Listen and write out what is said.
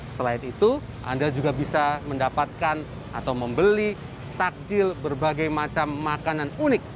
selain itu anda juga bisa mendapatkan atau membeli takjil berbagai macam makanan unik